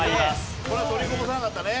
これは取りこぼさなかったね。